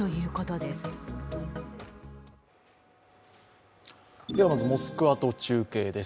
ではまずモスクワと中継です。